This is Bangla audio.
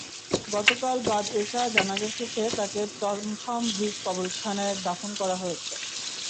গতকাল বাদ এশা জানাজা শেষে তাঁকে টমছম ব্রিজ কবরস্থানে দাফন করা হয়েছে।